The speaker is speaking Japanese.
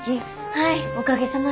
はいおかげさまで。